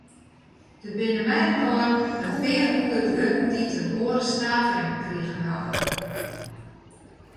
Der binne mei-inoar in pear hûndert wurden dy't in oare stavering krigen hawwe.